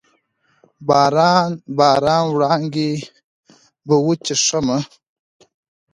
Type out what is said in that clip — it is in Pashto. باران، باران وړانګې به وچیښمه